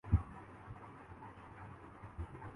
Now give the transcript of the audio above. بھیس بدل کریہ لوگ نماز فجر